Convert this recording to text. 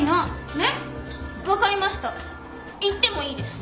行ってもいいです。